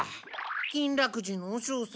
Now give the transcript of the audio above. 金楽寺の和尚様。